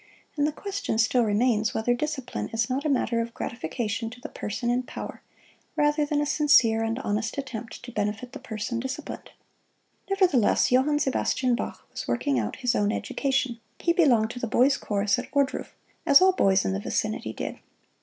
And the question still remains whether "discipline" is not a matter of gratification to the person in power rather than a sincere and honest attempt to benefit the person disciplined. Nevertheless, Johann Sebastian Bach was working out his own education: he belonged to the boys' chorus at Ohrdruf, as all boys in the vicinity did.